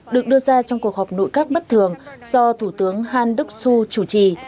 được đưa ra trong cuộc họp nội các bất thường do thủ tướng han đức su chủ trì